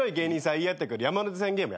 言い合ってく山手線ゲームやろ。